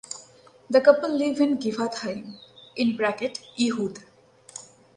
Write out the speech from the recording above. The couple live in Givat Haim (Ihud).